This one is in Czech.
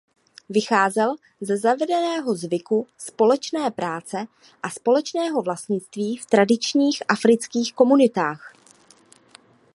Vycházel ze zavedeného zvyku společné práce a společného vlastnictví v tradičních afrických komunitách.